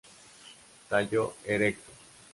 Tallo erecto.